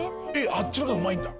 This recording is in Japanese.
あっちの方がうまいんだ！